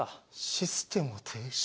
システムを停止？